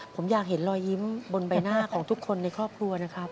ผมอยากเห็นรอยยิ้มบนใบหน้าของทุกคนในครอบครัวนะครับ